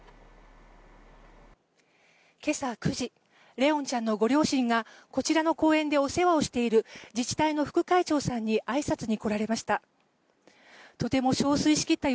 今朝９時怜音ちゃんのご両親がこちらの公園でお世話をしている自治体の副会長さんにあいさつに来られました。